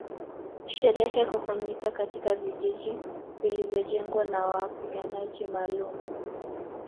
Sherehe hufanyika katika vijiji vilivyojengwa na wapiganaji maalumu